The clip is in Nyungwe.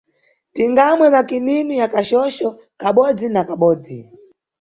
Tingamwe makininu ya kachocho kabodzi na kabodzi.